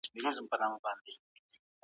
د قصاص په اړه په قران کي ډېر ټینګار سوی دی.